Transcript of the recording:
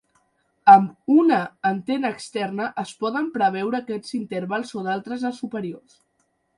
Amb una antena externa, es poden preveure aquests intervals o d'altres de superiors.